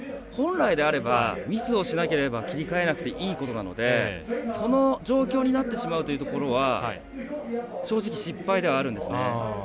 本来であればミスをしなければ切り替えなくていいことなのでその状況になってしまうというところは正直失敗ではあるんですね。